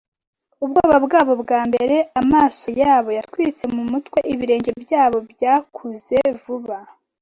ubwoba bwabo bwambere. Amaso yabo yatwitse mu mutwe; ibirenge byabo byakuze vuba